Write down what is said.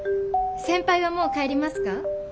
先輩はもう帰りますか？